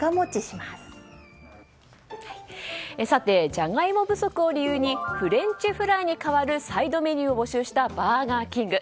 ジャガイモ不足を理由にフレンチフライに代わるサイドメニューを募集したバーガーキング。